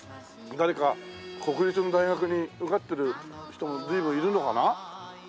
誰か国立の大学に受かってる人も随分いるのかな？